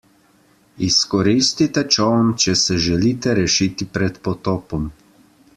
Izkoristite čoln, če se želite rešiti pred potopom.